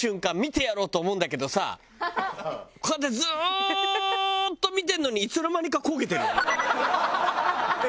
こうやってずーっと見てるのにいつの間にか焦げてるよね。